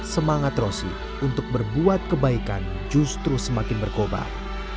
semangat rosi untuk berbuat kebaikan justru semakin berkobar